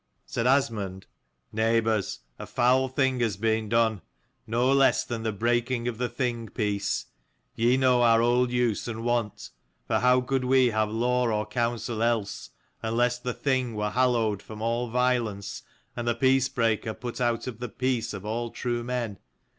Said Asmund : 228 " Neighbours, a foul thing has been done, no less than the breaking of the Thing peace. Ye know our old use and wont : for how could we have law or counsel else, unless the Thing were hallowed from all violence and the peace breaker put out of the peace of all true men.